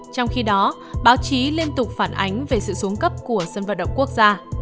trong khi đó báo chí liên tục phản ánh về sự xuống cấp của sân vận động quốc gia